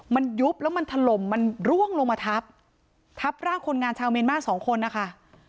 มันยุบแล้วมันถล่มมันร่วงลงมาทับทับร่างคนงานชาวเมียนมาร์สองคนนะคะ